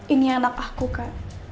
ini anak aku kak